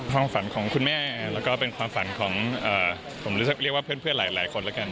ความฝันของคุณแม่แล้วก็เป็นความฝันของผมเรียกว่าเพื่อนหลายคนแล้วกัน